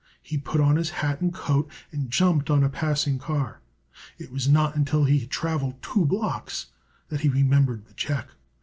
He put on his hat and coat, and jumped on a passing car, and it was not until he had traveled two blocks that he remembered the check.